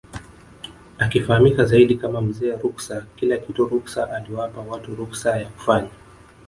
Akifahamika zaidi kama Mzee Ruksa Kila kitu ruksa aliwapa watu ruksa ya kufanya